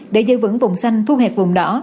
để giữ vững vùng xanh thu hẹp vùng đỏ